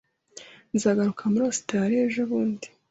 Nzagaruka muri Ositaraliya ejobundi